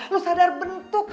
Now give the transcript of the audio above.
lo sadar bentuk